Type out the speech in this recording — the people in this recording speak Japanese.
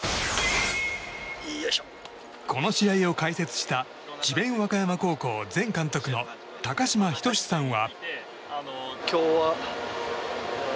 この試合を解説した智弁和歌山高校前監督の高嶋仁さんは。